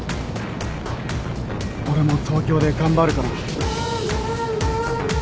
俺も東京で頑張るから。